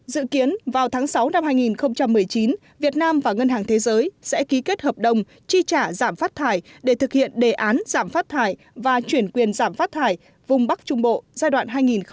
dự kiến vào tháng sáu năm hai nghìn một mươi chín việt nam và ngân hàng thế giới sẽ ký kết hợp đồng chi trả giảm phát thải để thực hiện đề án giảm phát thải và chuyển quyền giảm phát thải vùng bắc trung bộ giai đoạn hai nghìn hai mươi một hai nghìn hai mươi năm